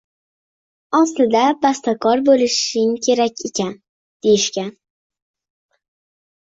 “Aslida bastakor bo’lishing kerak ekan”, deyishgan.